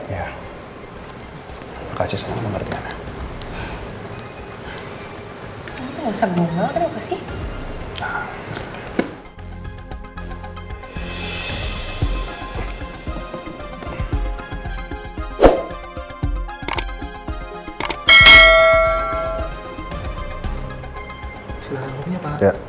ya makasih sangat mengerti ana